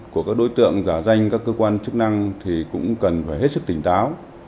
của các đối tượng giả danh các cơ quan chức năng thì cũng cần phải hết sức tỉnh táo